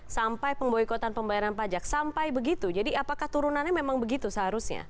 sampai pemboikotan pembayaran pajak sampai begitu jadi apakah turunannya memang begitu seharusnya